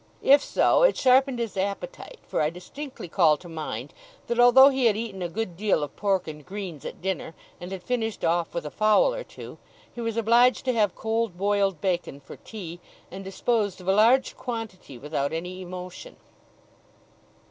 If so, it sharpened his appetite; for I distinctly call to mind that, although he had eaten a good deal of pork and greens at dinner, and had finished off with a fowl or two, he was obliged to have cold boiled bacon for tea, and disposed of a large quantity without any emotion.